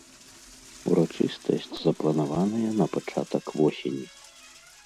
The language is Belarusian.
Урачыстасць запланаваная на пачатак восені.